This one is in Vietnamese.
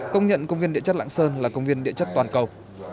công nhận công viên địa chất lạng sơn là công viên địa chất toàn cầu